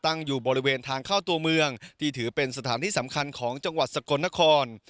ตั้งอยู่บริเวณทางเข้าตัวเมืองที่ถือเป็นสถานที่สำคัญของจังหวัดสกลนคร